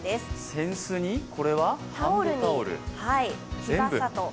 扇子に、これはハンドタオル、全部。